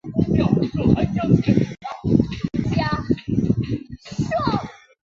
正模标本是一个关节仍连阶的部分身体骨骼。